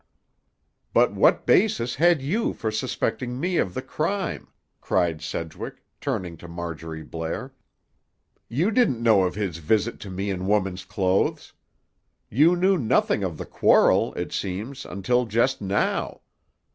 "But what basis had you for suspecting me of the crime?" cried Sedgwick, turning to Marjorie Blair. "You didn't know of his visit to me in women's clothes. You knew nothing of the quarrel, it seems, until just now.